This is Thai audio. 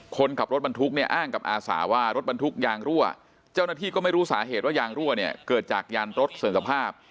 คนขับรถบรรทุกเนี่ยอ้างกับอาสาว่ารถบรรทุกยางรั่วเจ้าหน้าที่ก็ไม่รู้สาเหตุว่ายางรั่วเนี่ยเกิดจากยานรถส่วนสภาพ